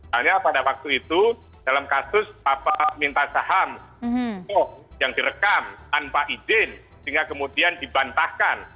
hanya pada waktu itu dalam kasus minta saham yang direkam tanpa izin sehingga kemudian dibantahkan